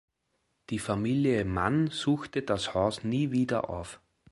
Die Familie Mann suchte das Haus nie wieder auf.